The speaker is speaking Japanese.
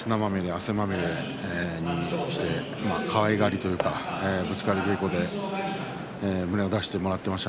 汗まみれにしてかわいがりといいますかぶつかり稽古で胸を出してもらっていました。